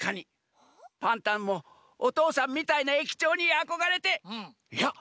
パンタンもおとうさんみたいなえきちょうにあこがれていや！